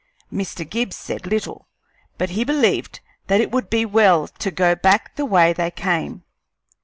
Mr. Gibbs said little, but he believed that it would be well to go back the way they came.